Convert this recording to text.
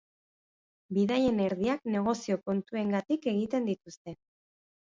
Bidaien erdiak negozio kontuengatik egiten dituzte.